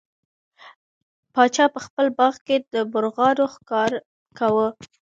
پاچا په خپل باغ کې د مرغانو ښکار کاوه.